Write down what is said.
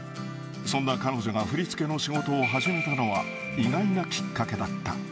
そんな彼女が振り付けの仕事を始めたのは意外なきっかけだった。